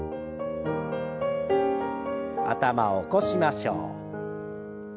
頭を起こしましょう。